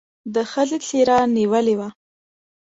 د ښځې څېره نېولې وه.